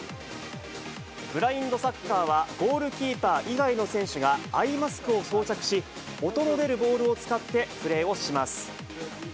ブラインドサッカーは、ゴールキーパー以外の選手がアイマスクを装着し、音の出るボールを使ってプレーをします。